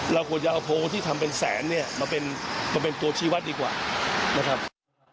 เราควรจะเอาโพงที่ทำเป็นแสนเนี่ยมาเป็นตัวชีวัตรดีกว่านะครับ